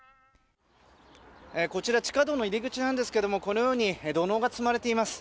こちら地下道の入り口なんですけども土のうが積まれています。